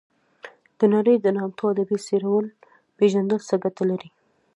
د نړۍ د نامتو ادبي څیرو پېژندل څه ګټه لري.